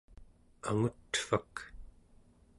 angutvak